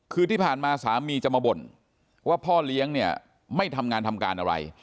คือที่ผ่านมาสามีจะมาบ่นว่าพ่อเลี้ยงเนี่ยไม่ทำงานทำการอะไร